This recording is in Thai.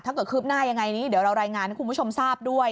คืบหน้ายังไงนี้เดี๋ยวเรารายงานให้คุณผู้ชมทราบด้วย